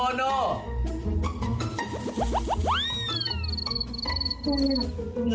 หนูรัก